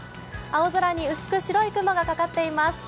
青空に薄く白い雲がかかっています。